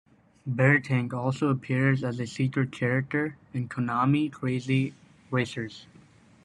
Beartank also appears as a secret character in Konami Krazy Racers.